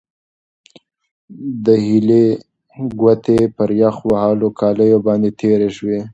د هیلې ګوتې پر یخ وهلو کالیو باندې تېرې شوې.